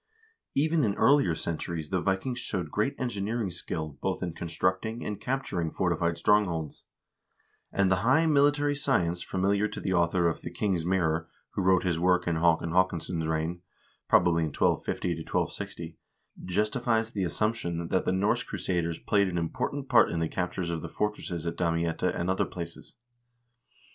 Even in earlier centuries the Vikings showed great engineering skill both in constructing and capturing fortified strongholds; and the high military science familiar to the author of "The King's Mirror," who wrote his work in Haakon Haakonsson's reign, probably in 1250 1260, justifies the assumption that the Norse crusaders played an important part in the capture of the fortresses at Damietta and other places.